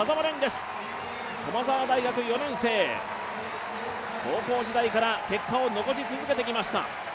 駒沢大学４年生、高校時代から結果を残してきました。